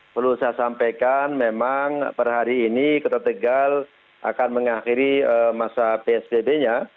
perlu saya sampaikan memang per hari ini kota tegal akan mengakhiri masa psbb nya